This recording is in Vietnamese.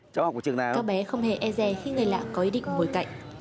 các bé không hề e rè khi người lạ có ý định ngồi cạnh